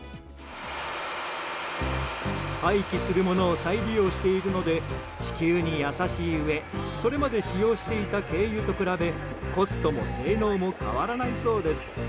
廃棄するものを再利用しているので地球に優しいうえそれまで使用していた軽油と比べ、コストも性能も変わらないそうです。